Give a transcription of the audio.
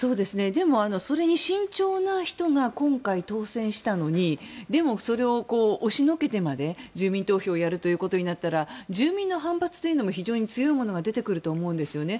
でも、それに慎重な人が今回当選したのにでも、それを押しのけてまで住民投票をやるということになったら住民の反発も非常に強いものが出てくると思うんですよね。